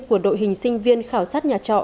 của đội hình sinh viên khảo sát nhà trọ